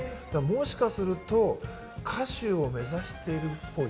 もしかすると歌手を目指しているっぽい。